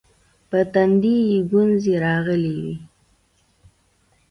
پر تندي يې گونځې راغلې وې.